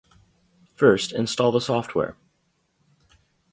First, install the software